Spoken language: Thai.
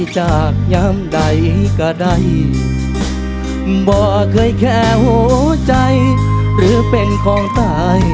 ใช่ค่ะ